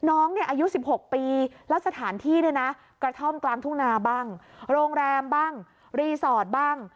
น้องเนี่ยอายุ๑๖ปีแล้วสถานที่เนี่ยนะกระท่อมกลางทุ่งนาบ้างโรงแรมบ้างรีสอร์ทบ้าง